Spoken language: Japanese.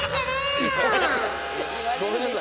ごめんなさい。